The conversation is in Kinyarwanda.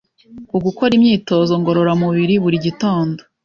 Ugukora imyitozo ngorora mubiri buri gitondo